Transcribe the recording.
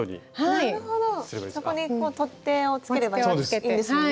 そこに取っ手をつければいいんですよね。